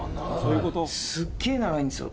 すっげえ長いんですよ。